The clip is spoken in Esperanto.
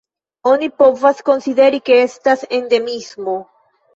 Oni povas konsideri, ke estas endemismo.